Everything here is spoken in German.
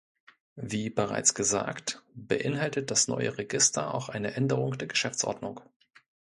Wie bereits gesagt, beinhaltet das neue Register auch eine Änderung der Geschäftsordnung.